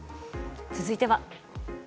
続いては。